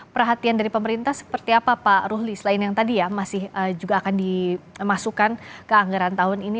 perhatian dari pemerintah seperti apa pak ruhli selain yang tadi ya masih juga akan dimasukkan ke anggaran tahun ini